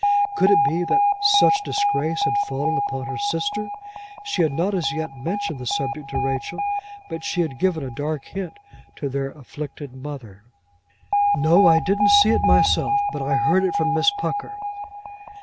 Could it be that such disgrace had fallen upon her sister! She had not as yet mentioned the subject to Rachel, but she had given a dark hint to their afflicted mother. "No, I didn't see it myself, but I heard it from Miss Pucker."